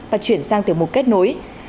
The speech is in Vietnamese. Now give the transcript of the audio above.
và chuyển sang từ một kết nối